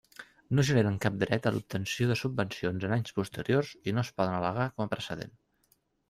No generen cap dret a l'obtenció de subvencions en anys posteriors i no es poden al·legar com a precedent.